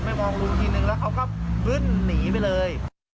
มองลุงทีนึงแล้วเขาก็บึ้นหนีไปเลย